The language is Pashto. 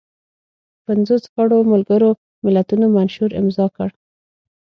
پنځوس غړو ملګرو ملتونو منشور امضا کړ.